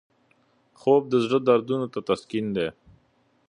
خوب د زړه دردونو ته تسکین دی